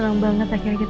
ada yang sakit